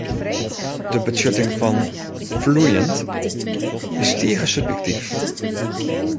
De betsjutting fan ‘floeiend’ is tige subjektyf.